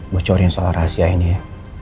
bocorin soal rahasia ini ya